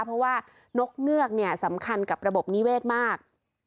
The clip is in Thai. เพราะว่านกเงือกเนี่ยสำคัญกับระบบนิเวศมาก